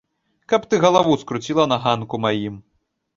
Каб ты галаву скруціла на ганку маім!